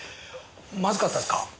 まずかったですか？